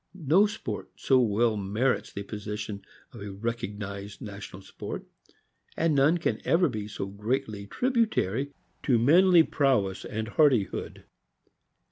No sport so well merits the position of a recog nized national sport, and none can ever be so greatly trib utary to manly prowess and hardihood.